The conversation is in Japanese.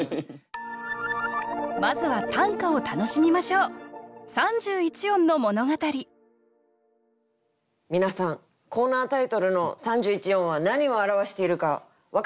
まずは短歌を楽しみましょう皆さんコーナータイトルの「三十一音」は何を表しているか分かりますか？